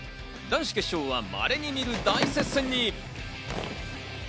男子決勝は稀に見る大接戦に。